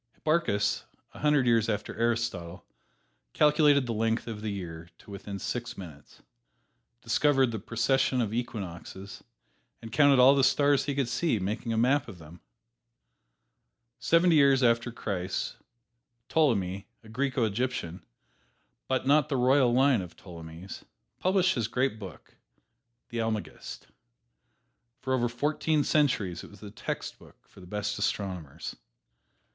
Hipparchus, a hundred years after Aristotle, calculated the length of the year to within six minutes, discovered the precession of equinoxes and counted all the stars he could see, making a map of them. Seventy years after Christ, Ptolemy, a Greco Egyptian, but not of the royal line of Ptolemies, published his great book, "The Almagest." For over fourteen centuries it was the textbook for the best astronomers.